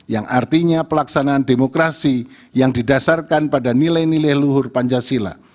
yang artinya pelaksanaan demokrasi yang didasarkan pada nilai nilai luhur pancasila